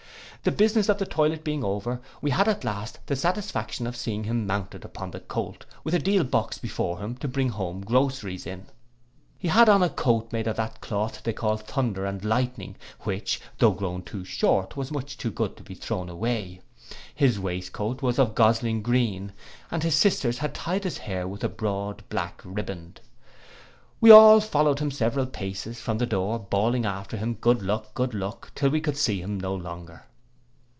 The business of the toilet being over, we had at last the satisfaction of seeing him mounted upon the Colt, with a deal box before him to bring home groceries in. He had on a coat made of that cloth they call thunder and lightning, which, though grown too short, was much too good to be thrown away. His waistcoat was of gosling green, and his sisters had tied his hair with a broad black ribband. We all followed him several paces, from the door, bawling after him good luck, good luck, till we could see him no longer.